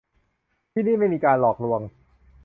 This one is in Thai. ที่นี่ไม่มีการหลอกลวง